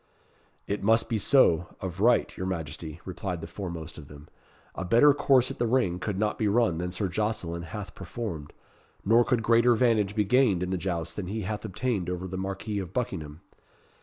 "It must be so, of right, your Majesty," replied the foremost of them. "A better course at the ring could not be run than Sir Jocelyn hath performed, nor could greater 'vantage be gained in the jousts than he hath obtained over the Marquis of Buckingham.